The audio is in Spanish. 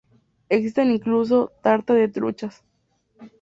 Existen incluso "tarta de truchas".